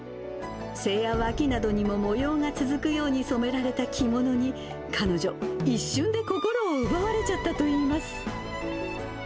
背や脇などにも模様が続くように染められた着物に、彼女、一瞬で心を奪われちゃったといいます。